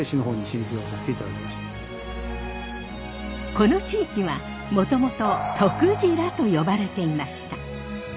この地域はもともと「とくじら」と呼ばれていました。